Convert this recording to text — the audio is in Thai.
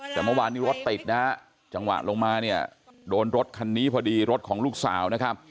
แต่เมื่อวานนี้รถติดนะฮะจังหวะลงมาเนี่ยโดนรถคันนี้พอดีรถของลูกสาวนะครับ